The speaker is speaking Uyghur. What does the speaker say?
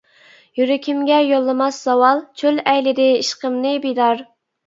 يۈرىكىمگە يولىماس زاۋال، چۆل ئەيلىدى ئىشقىمنى بىدار.